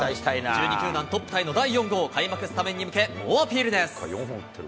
１２球団トップタイの第４号、開幕スタメンに向け、猛アピールです。